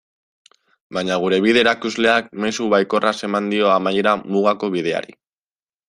Baina gure bide-erakusleak mezu baikorraz eman dio amaiera Mugako Bideari.